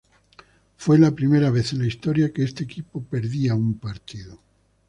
Fue la primera vez en la historia que este equipo perdía un partido.